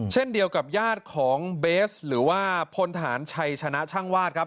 เช่นเดียวกับญาติของเบสหรือว่าพลฐานชัยชนะช่างวาดครับ